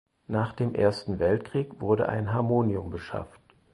Nach dem Ersten Weltkrieg wurde ein Harmonium beschafft.